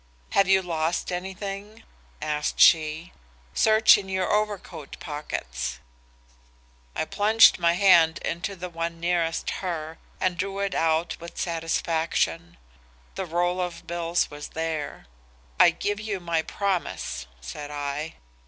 "'Have you lost anything?' asked she. 'Search in your overcoat pockets.' "I plunged my hand into the one nearest her and drew it out with satisfaction; the roll of bills was there. 'I give you my promise,' said I.